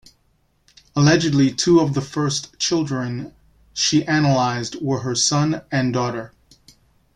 Allegedly two of the first children she analysed were her son and daughter.